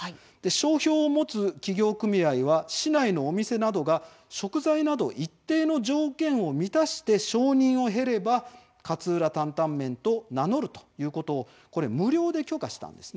商標を持つ企業組合は市内のお店などが食材など一定の条件を満たして承認を経れば勝浦タンタンメンと名乗るということを無料で許可したんです。